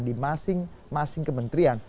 di masing masing kementerian